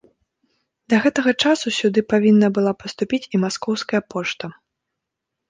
Да гэтага часу сюды павінна была паступіць і маскоўская пошта.